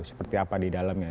seperti apa di dalamnya